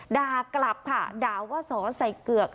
ด่ากลับค่ะด่าว่าสอใส่เกือก